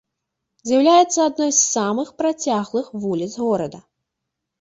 З'яўляецца адной з самых працяглых вуліц горада.